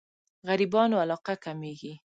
غريبانو علاقه کمېږي.